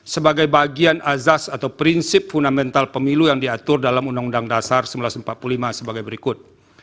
sebagai bagian azas atau prinsip fundamental pemilu yang diatur dalam undang undang dasar seribu sembilan ratus empat puluh lima sebagai berikut